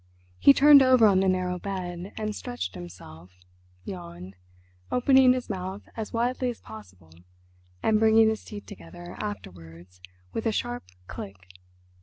He turned over on the narrow bed and stretched himself—yawned—opening his mouth as widely as possible and bringing his teeth together afterwards with a sharp "click."